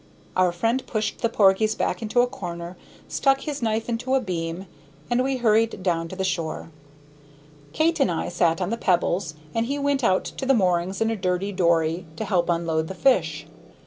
Our friend pushed the porgies back into a corner, stuck his knife into a beam, and we hurried down to the shore. Kate and I sat on the pebbles, and he went out to the moorings in a dirty dory to help unload the fish.